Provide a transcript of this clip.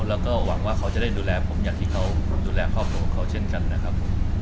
แล้วก็หวังว่าเขาจะได้ดูแลผมอย่างที่เขาดูแลครอบครัวของเขาเช่นกันนะครับ